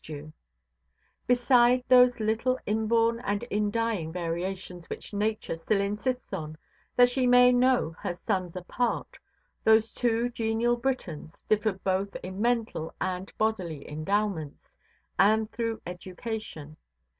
Beside those little inborn and indying variations which Nature still insists on, that she may know her sons apart, those two genial Britons differed both in mental and bodily endowments, and through education.